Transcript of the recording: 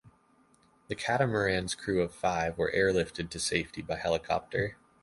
The catamarans crew of five were airlifted to safety by helicopter.